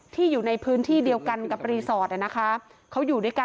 ที่อยู่ในพื้นที่เดียวกันกับรีสอร์ตนะคะ